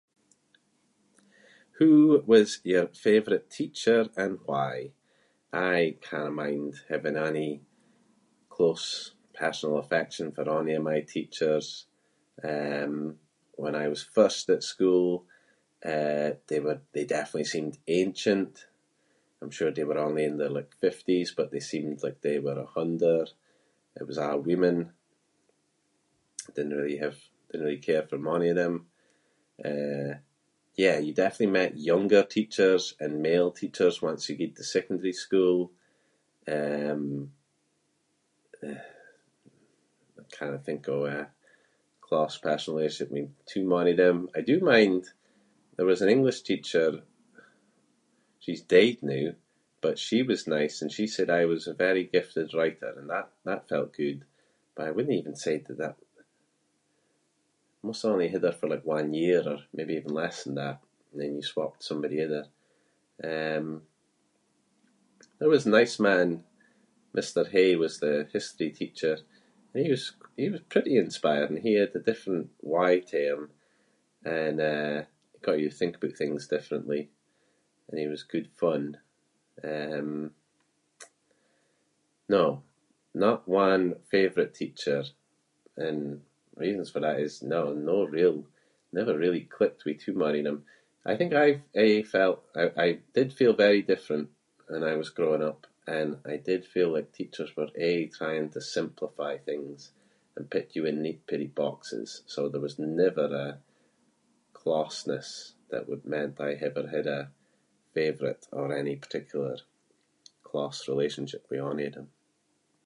Who was your favourite teacher, and why? I cannae mind having any close personal affection for ony of my teachers. Um, when I was first at school, eh, they were- they definitely seemed ancient. I’m sure they were only in their like fifties but they seemed like they were a hunner. It was a’ women. Didnae really have- didnae really care for mony of them. Uh, yeah, you definitely met younger teachers and male teachers once you gied to secondary school. Um, eh- I cannae think of a close, personal relationship with too mony of them. I do mind there was an English teacher- she’s dead noo, but she was nice and she said I was a very gifted writer and that- that felt good. But I wouldnae even dey that- must’ve only had her for one year or maybe even less than that and then you swapped to somebody other. Um, there was a nice man- Mr Hay was the history teacher and he was- he was pretty inspiring. He had a different way to him and, eh, got you to think aboot things differently and he was good fun. Um, no. Not one favourite teacher and reasons for that is no- no real- never really clicked with too mony of them. I think I’ve aie felt- I- I did feel very different when I was growing up and I did feel like teachers were aie trying to simplify things and put you in neat, peerie boxes. So, there was never a closeness that would meant I’d ever had a favourite or any particular close relationship with ony of them.